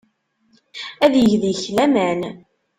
Ad yeg deg-k laman.